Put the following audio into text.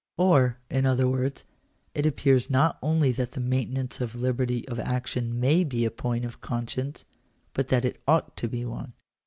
Or, in other words, it appears not only that the maintenance of liberty of action may be a point of conscience, but that it ought to be one.